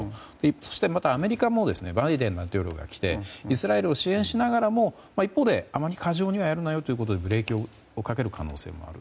そしてまたアメリカもバイデン大統領が来てイスラエルを支援しながらも一方で、あまり過剰にはやるなよということでブレーキをかける可能性もある。